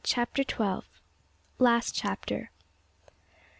CHAPTER TWELVE. LAST CHAPTER.